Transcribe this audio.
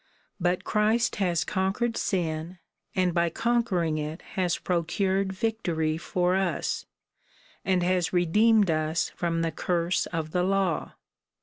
But Christ has conquered sin, and by conquering it has procured victory for us, and has redeemed us from the curse of the law.